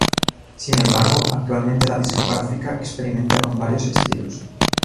Sin embargo, actualmente la discográfica experimenta con varios estilos.